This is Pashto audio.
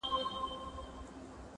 حیوانان یې وه بارونو ته بللي!.